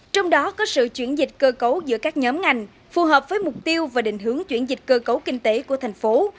trong đó có sự chuyển dịch cơ cấu giữa các nhóm ngành phù hợp với mục tiêu và định hướng chuyển dịch cơ cấu kinh tế của thành phố